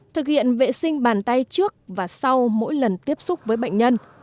thực hiện vệ sinh bàn tay trước và sau mỗi lần tiếp xúc với bệnh nhân